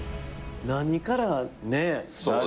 何からね。